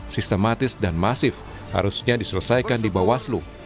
sistematis dan masif harusnya diselesaikan di bawaslu